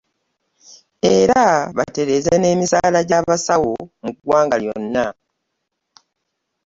Era batereeze n'emisaala gy'abasawo mu ggwanga lyonna.